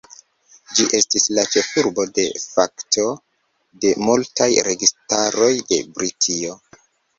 Ĝi estis la ĉefurbo "de facto" de multaj registaroj de Britio.